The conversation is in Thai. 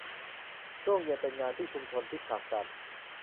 ช่วงเย็นเป็นงานที่ชุมชนที่ผลักดัน